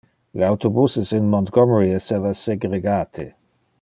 Le autobuses in Montgomery esseva segregate.